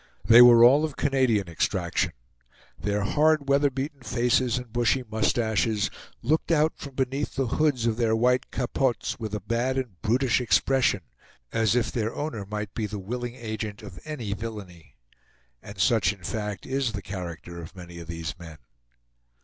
They were all of Canadian extraction; their hard, weather beaten faces and bushy mustaches looked out from beneath the hoods of their white capotes with a bad and brutish expression, as if their owner might be the willing agent of any villainy. And such in fact is the character of many of these men.